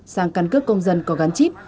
sang căn cước công dân có gắn chip